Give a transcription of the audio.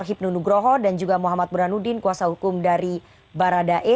hipnu nugroho dan juga muhammad burhanuddin kuasa hukum dari baradae